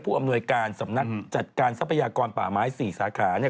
อำนวยการสำนักจัดการทรัพยากรป่าไม้๔สาขาเนี่ย